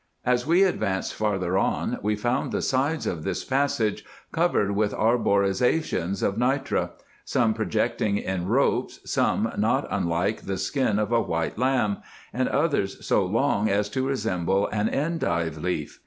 As we advanced farther on we found the sides of this passage covered with arborizations of nitre ; some projecting in ropes, some not unlike the skin of a white lamb, and others so long as to resemble an endive leaf.